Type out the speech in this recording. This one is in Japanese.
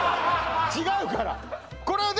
「違うから」